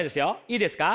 いいですか？